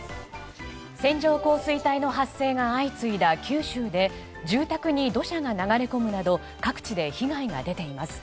線状降水帯の発生が相次いだ九州で住宅に土砂が流れ込むなど各地で被害が出ています。